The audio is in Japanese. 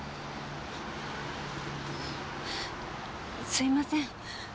すいません。